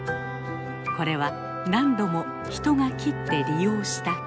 これは何度も人が切って利用した木。